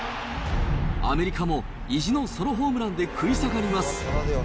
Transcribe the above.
アメリカも意地のソロホームランで食い下がります。